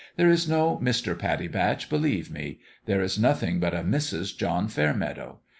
There is no Mister Pattie Batch, believe me: there is nothing but a Mrs. John Fairmeadow.